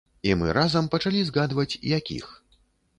І мы разам пачалі згадваць, якіх.